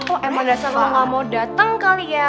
oh emang misalnya lo gak mau dateng kali ya